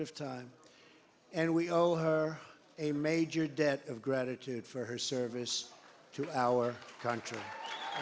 dan kami meminta keberterusan yang besar dari keberterusan dia untuk perkhidmatannya